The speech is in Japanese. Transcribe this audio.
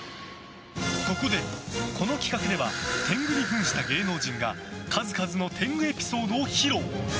そこで、この企画では天狗に扮した芸能人が数々の天狗エピソードを披露。